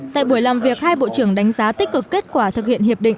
tại buổi làm việc hai bộ trưởng đánh giá tích cực kết quả thực hiện hiệp định